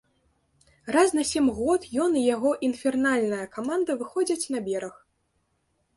Раз на сем год ён і яго інфернальная каманда выходзяць на бераг.